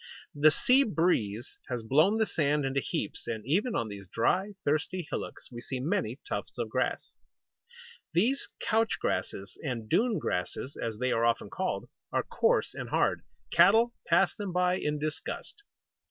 The sea breeze has blown the sand into heaps, and even on these dry, thirsty hillocks we see many tufts of grass. [Illustration: 1. THE COMMON LOBSTER. 2. HERMIT CRAB.] These Couch Grasses and Dune Grasses, as they are often called, are coarse and hard. Cattle pass them by in disgust.